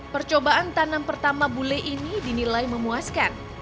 percobaan tanam pertama bule ini dinilai memuaskan